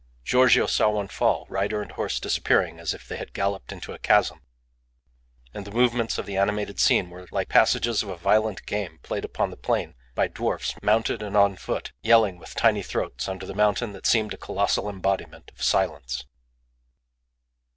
Giorgio saw one fall, rider and horse disappearing as if they had galloped into a chasm, and the movements of the animated scene were like the passages of a violent game played upon the plain by dwarfs mounted and on foot, yelling with tiny throats, under the mountain that seemed a colossal embodiment of silence.